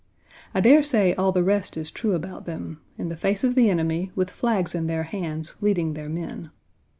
I dare say all the rest is true about them in the face of the enemy, with flags in their hands, leading their men.